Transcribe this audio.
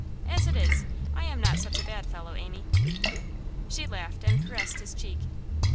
As it is, I am not such a bad fellow, Amy.' She laughed, and caressed his cheek.